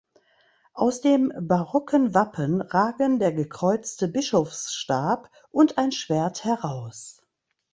Aus dem barocken Wappen ragen der gekreuzte Bischofsstab und ein Schwert heraus.